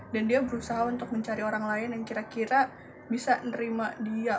dan dia berusaha untuk mencari orang lain yang kira kira bisa nerima dia